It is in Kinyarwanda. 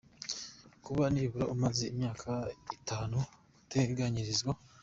Kuba nibura umaze imyaka itanu uteganyirizwa,.